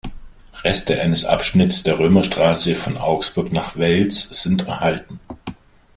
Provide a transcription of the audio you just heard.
Reste eines Abschnittes der Römerstraße von Augsburg nach Wels sind erhalten.